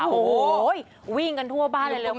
โอ้โฮวิ่งกันทั่วบ้านเร็วคุณ